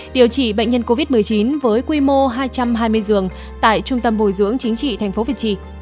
điều trị bệnh nhân covid một mươi chín với quy mô hai trăm hai mươi giường tại trung tâm bồi dưỡng chính trị tp việt trì